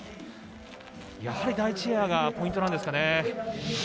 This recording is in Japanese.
やはり第１エアがポイントなんですかね。